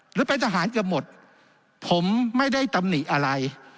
หรือเป็นทหารเกือบหมดผมไม่ได้ตำหนิอะไร